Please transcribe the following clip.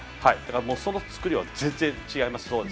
その作りはぜんぜん違います。